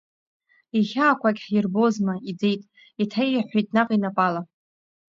Ихьаақәагь ҳирбозма, иӡеит, иҭаиҳәҳәеит наҟ инапала…